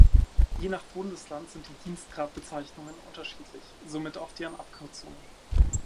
Je nach Bundesland sind die Dienstgradbezeichnungen unterschiedlich, somit auch deren Abkürzungen.